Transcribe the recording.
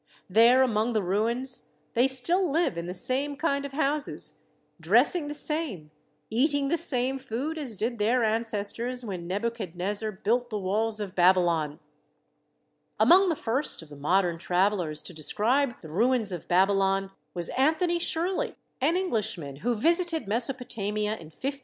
There among the ruins they still live in the same kind of houses, dressing the same, eating the same food as did their ancestors when Nebuchadnezzar built the walls of Babylon. Among the first of the modern travellers to de scribe the ruins of Babylon was Anthony Shirley, A Nebuchadnezzar Brick from Babylon THE WALLS OF BABYLON 69 an Englishman who visited Mesopotamia in 1599.